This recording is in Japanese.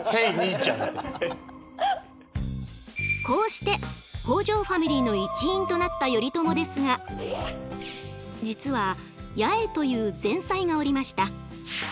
こうして北条ファミリーの一員となった頼朝ですが実は八重という前妻がおりました。